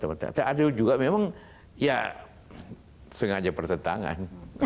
ada juga memang ya sengaja pertentangan